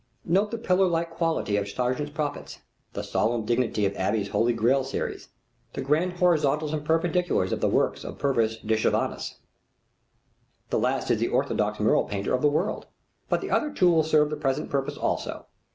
Note the pillar like quality of Sargent's prophets, the solemn dignity of Abbey's Holy Grail series, the grand horizontals and perpendiculars of the work of Puvis de Chavannes. The last is the orthodox mural painter of the world, but the other two will serve the present purpose also.